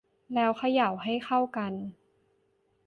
แล้วเขย่าให้เข้ากัน